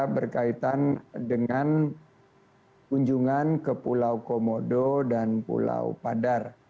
berkaitan dengan kunjungan ke pulau komodo dan pulau padar